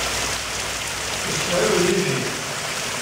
Ttemsefhamen yid-i.